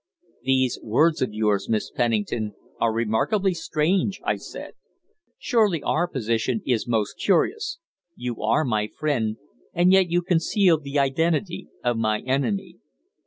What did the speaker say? "These words of yours, Miss Pennington, are remarkably strange," I said. "Surely our position is most curious. You are my friend, and yet you conceal the identity of my enemy."